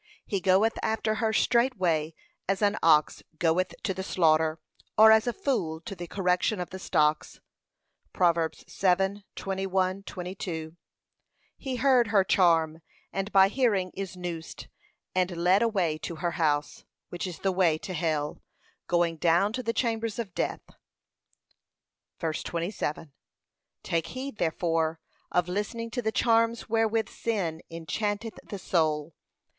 He goeth after her straightway, as an ox goeth to the slaughter, or as a fool to the correction of the stocks.' (Prov. 7:21, 22) He heard her charm, and by hearing is noosed, and led away to her house, which is the way to hell, 'going down to the chambers of death.'(ver. 27) Take heed, therefore, of listening to the charms wherewith sin enchanteth the soul.